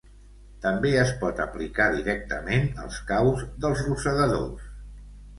També es pot aplicar directament als caus dels rosegadors.